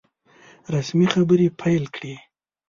رسمي خبري پیل کړې.